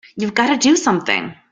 You've got to do something!